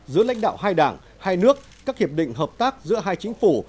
giữa lãnh đạo hai đảng hai nước các hiệp định hợp tác giữa hai chính phủ